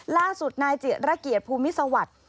ล่าสุดนายเจี๋ยระเกียรติภูมิสวรรค์